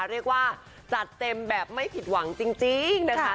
เรียกว่าจัดเต็มแบบไม่ผิดหวังจริงนะคะ